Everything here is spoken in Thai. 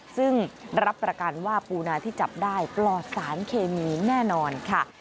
ซึ่งรับประกันว่าปูนาที่จับได้ปลอดสารเคมีแน่นอนค่ะ